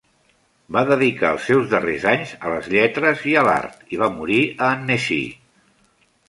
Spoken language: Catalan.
Va dedicar els seus darrers anys a les lletres i a l'art i va morir a Annecy.